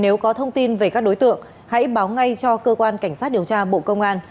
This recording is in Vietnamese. nếu có thông tin về các đối tượng hãy báo ngay cho cơ quan cảnh sát điều tra bộ công an